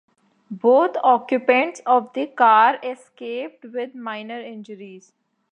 Both occupants of the car escaped with minor injuries.